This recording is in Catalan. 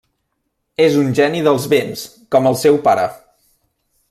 És un geni dels vents, com el seu pare.